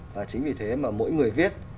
và chính vì thế mà mỗi người viết